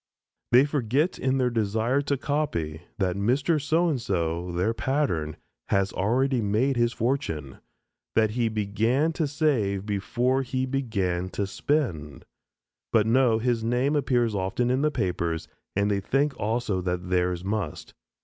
They forget in their desire to copy, that Mr. "So and So," their pattern, has already made his fortune; that he began to save before he began to spend. But no, his name appears often in the papers and they think also that theirs must.